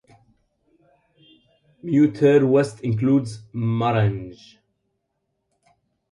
Mutare West includes Marange.